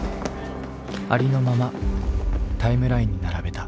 ありのままタイムラインに並べた。